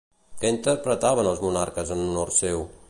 Què interpretaven els monarques en honor seu?